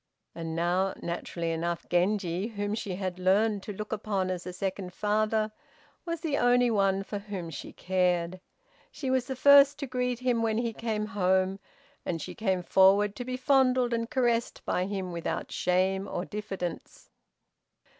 And now, naturally enough, Genji, whom she had learned to look upon as a second father, was the only one for whom she cared. She was the first to greet him when he came home, and she came forward to be fondled and caressed by him without shame or diffidence.